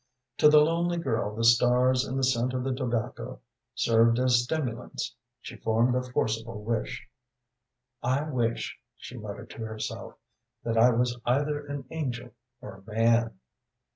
To the lonely girl the stars and the scent of the tobacco served as stimulants; she formed a forcible wish. "I wish," she muttered to herself, "that I was either an angel or a man."